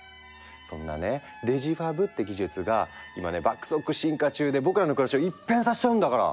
そんなねデジファブって技術が今ね爆速進化中で僕らの暮らしを一変させちゃうんだから！